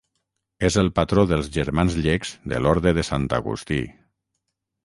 És el patró dels germans llecs de l'Orde de Sant Agustí.